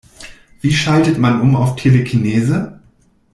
Wie schaltet man um auf Telekinese?